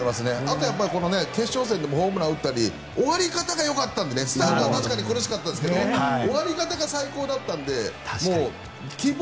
後は決勝戦でもホームランを打ったり終わり方がよかったのでスタートは苦しかったですが終わり方が最高だったので気分